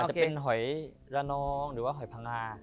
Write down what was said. จะเป็นหอยละนองหรือว่าหอยพังงา